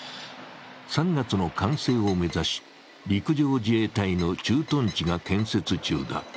３月の完成を目指し、陸上自衛隊の駐屯地が建設中だ。